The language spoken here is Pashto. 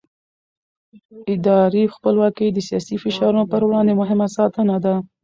اداري خپلواکي د سیاسي فشارونو پر وړاندې مهمه ساتنه ده